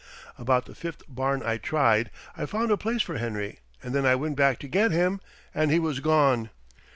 About the fifth barn I tried I found a place for Henry and then I went back to get him, and he was gone!"